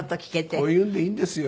こういうのでいいんですよ。